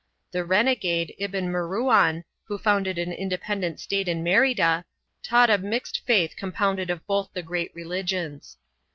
The renegade, Ibn Meruan, who founded an independent state in Merida, taught a mixed faith compounded of both the great religions.